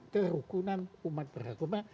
terhukuman umat beragama